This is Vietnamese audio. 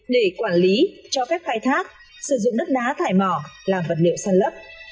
để quản lý cho phép khai thác sử dụng đất đá thải mỏ làm vật liệu săn lấp